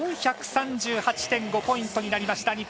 ４３８．５ポイントになりました。